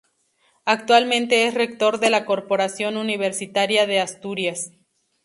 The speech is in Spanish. Actualmente es Rector de la Corporación Universitaria de Asturias.